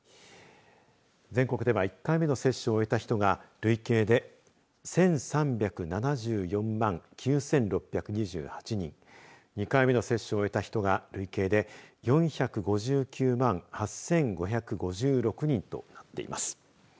全国では１回目の接種を終えた人が累計で１３７４万９６２８人２回目の接種を終えた人が累計で４５９万８５５６人となっています。